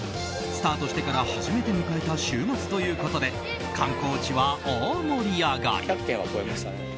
スタートしてから初めて迎えた週末ということで観光地は大盛り上がり。